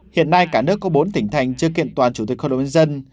hiện nay cả nước có bốn tỉnh thành chưa kiện toàn chủ tịch hội đồng nhân dân